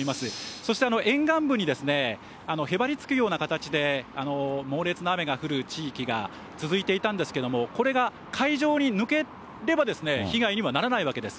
そして沿岸部に、へばりつくような形で、猛烈な雨が降る地域が続いていたんですけれども、これが海上に抜ければ被害にはならないわけです。